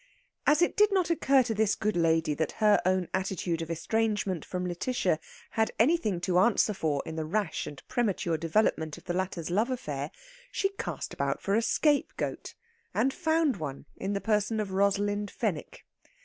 As it did not occur to this good lady that her own attitude of estrangement from Lætitia had anything to answer for in the rash and premature development of the latter's love affair, she cast about for a scapegoat, and found one in the person of Rosalind Fenwick.